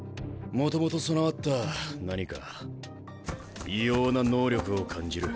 もともと備わった何か異様な能力を感じる。